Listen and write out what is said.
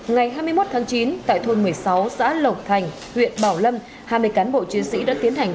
ngày hai mươi một tháng chín tại thôn một mươi sáu xã lộc thành huyện bảo lâm hai mươi cán bộ chiến sĩ đã tiến hành